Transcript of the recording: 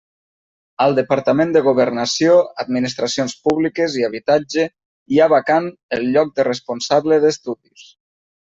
Al Departament de Governació, Administracions Públiques i Habitatge hi ha vacant el lloc de responsable d'estudis.